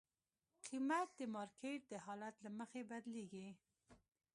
قیمت د مارکیټ د حالت له مخې بدلېږي.